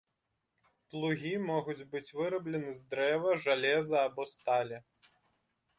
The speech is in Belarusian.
Плугі могуць быць выраблены з дрэва, жалеза або сталі.